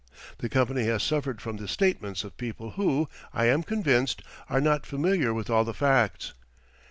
The company has suffered from the statements of people who, I am convinced, are not familiar with all the facts.